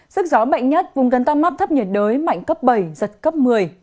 sức gió mạnh nhất vùng gần tâm áp thấp nhiệt đới mạnh cấp bảy giật cấp một mươi